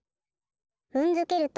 ふんづけると。